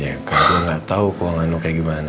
ya kan gue gak tau keuangan lo kayak gimana